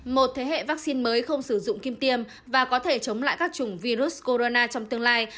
một thế hệ vaccine mới không sử dụng kim tiêm và có thể chống lại các chủng virus corona trong tương lai